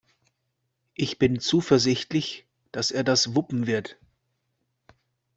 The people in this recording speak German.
Ich bin zuversichtlich, dass er das wuppen wird.